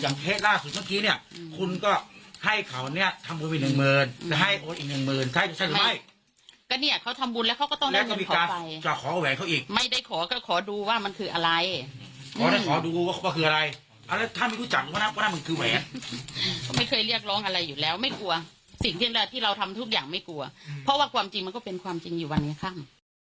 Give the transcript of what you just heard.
มันก็เป็นความจริงอยู่วันนี้ครับ